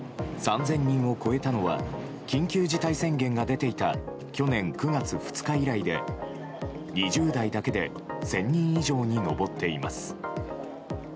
３０００人を超えたのは緊急事態宣言が出ていた去年９月２日以来で２０代だけで１０００人以上に上っています。